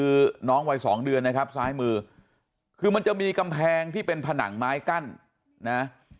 คือน้องวัยสองเดือนนะครับซ้ายมือคือมันจะมีกำแพงที่เป็นผนังไม้กั้นนะ